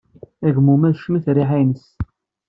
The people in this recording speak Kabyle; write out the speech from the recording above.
Agummu-a tecmet rriḥa-nnes.